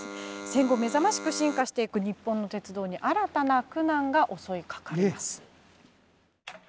戦後目覚ましく進化していく日本の鉄道に新たな苦難が襲いかかります。